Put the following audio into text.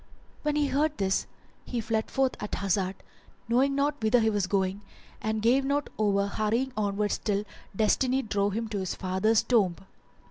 When he heard this he fled forth at hazard, knowing not whither he was going, and gave not over hurrying onwards till Destiny drove him to his father's tomb.